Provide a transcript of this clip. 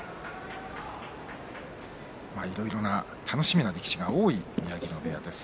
いろいろ楽しみな力士が多い宮城野部屋です。